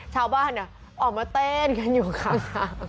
ชาวบ้านออกมาเต้นอยู่ข้าง